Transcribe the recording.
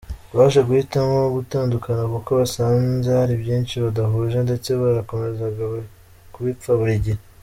Baje guhitamo gutandukana kuko basanze hari byinshi badahuje ndetse barakomezaga kubipfa buri gihe.